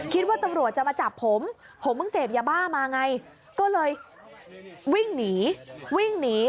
คิดว่าตำรวจจะมาจับผมผมเพิ่งเสพยาบ้ามาไงก็เลยวิ่งหนีวิ่งหนี